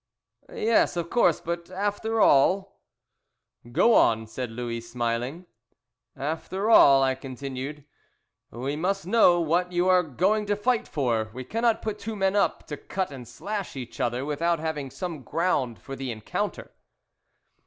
"Yes, of course, but after all " "Go on," said Louis, smilingly. "After all," I continued, "we must know what you are going to fight for. We cannot put two men up to cut and slash each other without having some ground for the encounter."